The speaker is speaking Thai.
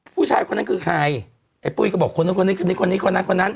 ผู้ชายคนนั้นคือใครไอ้ปุ้ยก็บอกคนนู้นคนนี้คนนี้คนนั้นคนนั้น